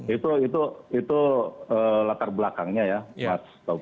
itu latar belakangnya ya mars